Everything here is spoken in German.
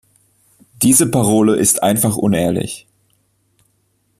Diese Parole ist einfach unehrlich.